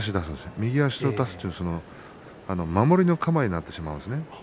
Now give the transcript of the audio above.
右足を出すと守りの構えになってしまうんですね。